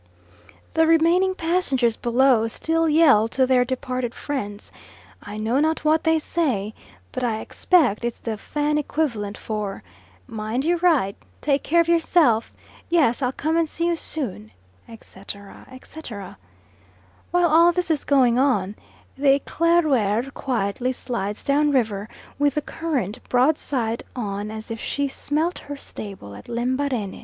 The remaining passengers below still yell to their departed friends; I know not what they say, but I expect it's the Fan equivalent for "Mind you write. Take care of yourself. Yes, I'll come and see you soon," etc., etc. While all this is going on, the Eclaireur quietly slides down river, with the current, broadside on as if she smelt her stable at Lembarene.